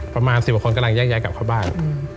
ประมาณ๑๐บาทคนกำลังแยกกลับเข้าบ้าน